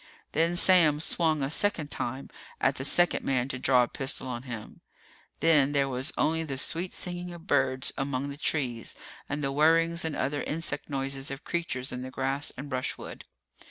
Then Sam swung a second time, at the second man to draw a pistol on him. Then there was only the sweet singing of birds among the trees and the whirrings and other insect noises of creatures in the grass and brushwood.